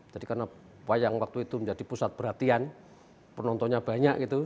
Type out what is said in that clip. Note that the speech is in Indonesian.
jadi karena wayang waktu itu menjadi pusat perhatian penontonnya banyak gitu